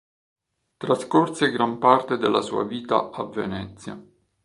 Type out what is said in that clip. Trascorse gran parte della sua vita a Venezia.